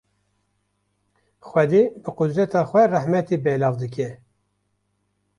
Xwedê bi qudreta xwe rahmetê belav dike.